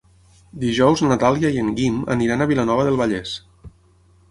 Dijous na Dàlia i en Guim aniran a Vilanova del Vallès.